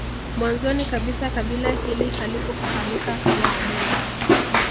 Mwanzoni kabisa kabila hili halikufahamika kama Wabena